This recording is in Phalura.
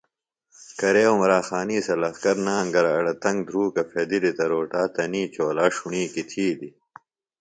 کرے عمراخانی سےۡ لخکر نانگرہ اڑے تنگ دُھروکہ پھدِلیۡ تہ روٹا تنی چولا ݜݨوکی تِھیلیۡ